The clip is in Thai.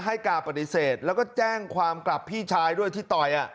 การปฏิเสธแล้วก็แจ้งความกลับพี่ชายด้วยที่ต่อย